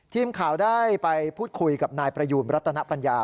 ทีมข่าวได้ไปพูดคุยกับนายประยูนรัตนปัญญา